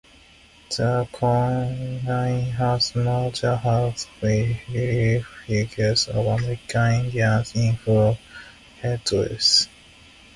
The cornice has molded bas-relief figures of American Indians in full headdress.